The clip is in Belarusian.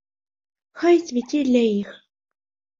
Хай цвіце для іх.